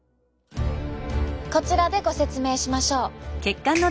こちらでご説明しましょう。